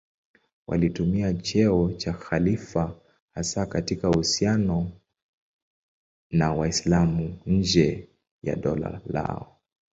Walitumia cheo cha khalifa hasa katika uhusiano na Waislamu nje ya dola lao.